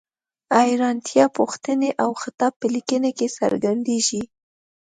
حیرانتیا، پوښتنې او خطاب په لیکنه کې څرګندیږي.